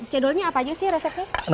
cedulnya apa aja sih resepnya